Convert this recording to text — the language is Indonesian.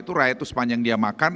itu rakyat itu sepanjang dia makan